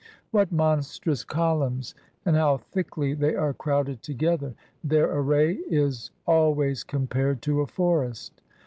What monstrous columns! And how thickly they are crowded together! Their array is always compared to a forest.